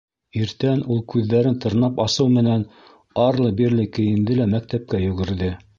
Иртән ул күҙҙәрен тырнап асыу менән, арлы-бирле кейенде лә мәктәпкә йүгерҙе.